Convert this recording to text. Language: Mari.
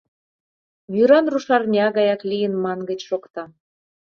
«Вӱран рушарня» гаяк лийын, мангыч шокта.